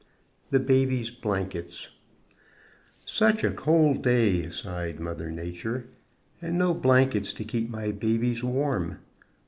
The Babies' Blankets "Such a cold day," sighed Mother Nature, "and no blankets to keep my babies warm!